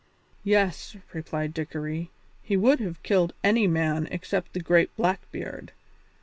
"Yes," replied Dickory, "he would have killed any man except the great Blackbeard.